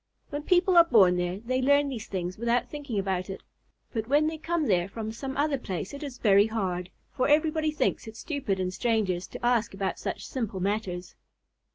When people are born there, they learn these things without thinking about it, but when they come there from some other place it is very hard, for everybody thinks it stupid in strangers to ask about such simple matters.